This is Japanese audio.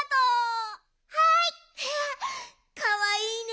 かわいいね。